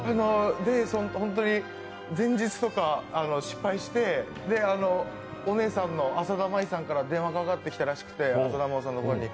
本当に前日とか失敗してお姉さんの浅田舞さんから電話かかってきたらしくて、浅田真央さんの方に。